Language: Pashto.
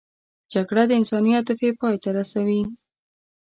جګړه د انساني عاطفې پای ته رسوي